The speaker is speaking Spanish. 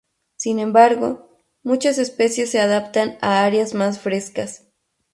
Sin embargo, muchas especies se adaptan, a áreas más frescas.